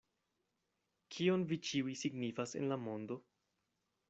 Kion vi ĉiuj signifas en la mondo?